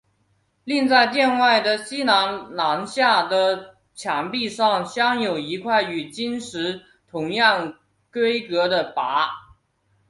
另在殿外的西南廊下的墙壁上镶有一块与经石同样规格的跋。